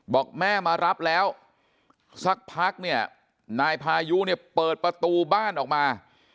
บอกแม่มารับแล้วสักพักเนี่ยนายพายุเนี่ยเปิดประตูบ้านออกมา